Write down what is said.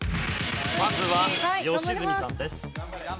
まずは吉住さんです。